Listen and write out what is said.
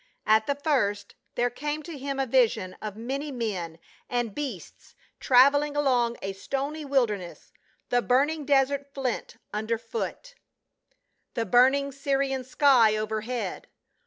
At the first, there came to him a vision of many men and beasts traveling along a stony wilderness, the burning desert flint under foot, the IN THE DESERT OF SINAI. 53 burning Syrian sky overhead.